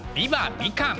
みかん！！」。